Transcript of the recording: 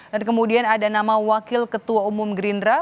dan kemudian ada nama wakil ketua umum gerindra